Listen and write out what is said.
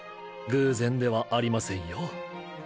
偶然ではありませんよ